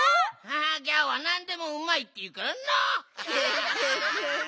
ギャオはなんでもうまいっていうからな。